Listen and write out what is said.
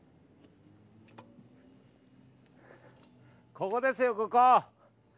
ここですよ、ここ。